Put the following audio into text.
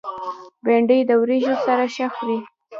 بېنډۍ د وریژو سره ښه خوري